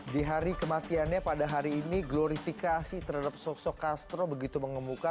di hari kematiannya pada hari ini glorifikasi terhadap sosok castro begitu mengemuka